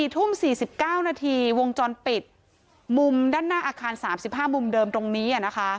๔ทุ่ม๔๙นาทีวงจรปิดมุมด้านหน้าอาคาร๓๕มุมเดิมตรงนี้